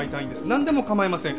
なんでも構いません。